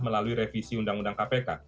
melalui revisi undang undang kpk